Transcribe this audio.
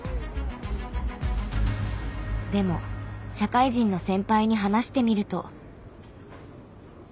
でも社会人の先輩に話してみると。